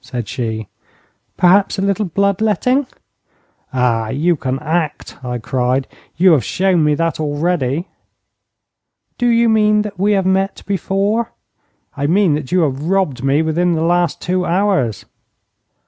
said she. 'Perhaps a little blood letting ' 'Ah, you can act!' I cried. 'You have shown me that already.' 'Do you mean that we have met before?' 'I mean that you have robbed me within the last two hours.'